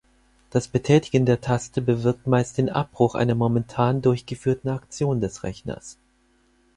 Das Betätigen der Taste bewirkt meist den Abbruch einer momentan durchgeführten Aktion des Rechners.